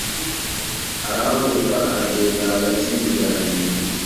Arahaguruka aragenda hagati y'ibiganiro.